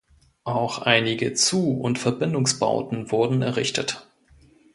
Auch einige Zu- und Verbindungsbauten wurden errichtet.